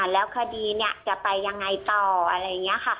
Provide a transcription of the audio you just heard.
แล้วคดีจะไปยังไงต่ออะไรอย่างนี้ค่ะ